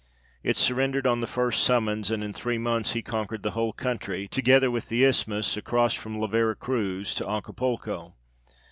It surrendered on the first summons, and in three months he conquered the whole country, together with the isthmus, across from La Vera Cruz to Acapulco.